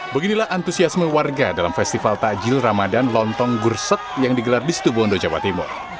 beginilah antusiasme warga dalam festival takjil ramadan lontong gursek yang digelar di situ bondo jawa timur